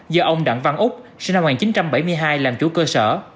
do ông đặng văn úc sinh năm một nghìn chín trăm bảy mươi hai làm chủ cơ sở